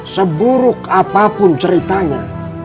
seburuk apapun ceritanya